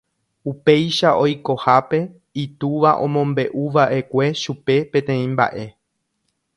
Upéicha oikohápe itúva omombe'uva'ekue chupe peteĩ mba'e.